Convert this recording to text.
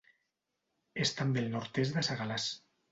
És també al nord-est de Segalars.